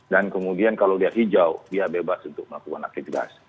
dan kemudian kalau dia hijau dia bebas untuk melakukan aplikasi